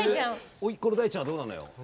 甥っ子の大ちゃんはどうなのよ。